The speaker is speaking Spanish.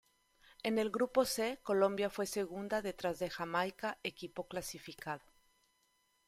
En el Grupo C, Colombia fue segunda detrás de Jamaica, equipo clasificado.